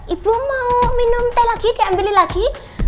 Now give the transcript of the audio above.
ibu mau minum teh lagi diambilin lagi